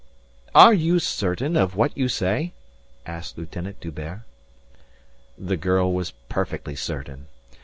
"Are you certain of what you say?" asked Lieutenant D'Hubert. The girl was perfectly certain.